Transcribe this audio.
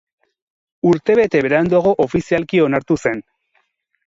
Urtebete beranduago ofizialki onartu zen.